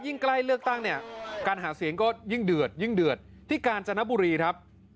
ใกล้เลือกตั้งเนี่ยการหาเสียงก็ยิ่งเดือดยิ่งเดือดที่กาญจนบุรีครับ